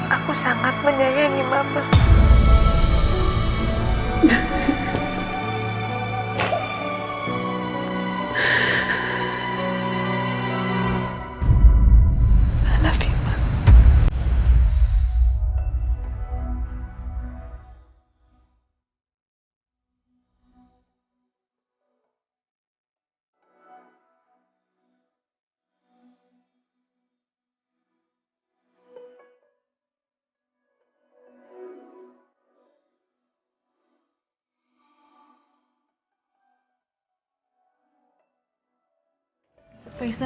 aku sangat menyayangi mama